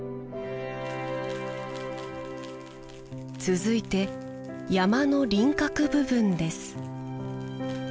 続いて山の輪郭部分です